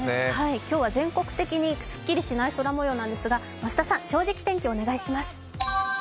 今日は全国的にすっきりしない空もようですが増田さん、「正直天気」お願いします